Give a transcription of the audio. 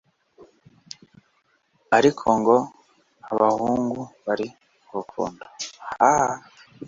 ariko ngo abahungu bari mu rukundo h